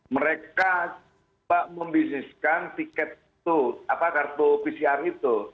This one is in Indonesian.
mereka membisiskan tiket itu apa kartu pcr itu